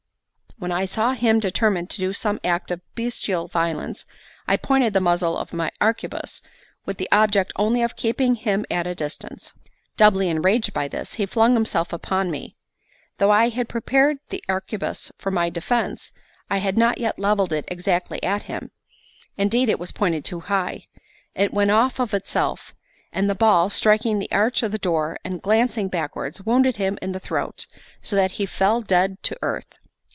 When I saw him determined to do some act of bestial violence, I pointed the muzzle of my arquebuse, with the object only of keeping him at a distance. Doubly enraged by this, he flung himself upon me. Though I had prepared the arquebuse for my defence, I had not yet levelled it exactly at him; indeed it was pointed too high. It went off of itself; and the ball, striking the arch of the door and glancing backwards, wounded him in the throat, so that he fell dead to earth.